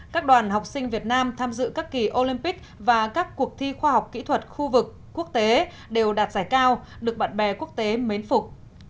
các đoàn học sinh việt nam tham dự các kỳ olympic và các cuộc thi khoa học kỹ thuật khu vực quốc tế đều đạt giải cao được bạn bè quốc tế mến phục